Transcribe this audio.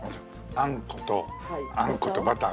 あんことあんことバターの。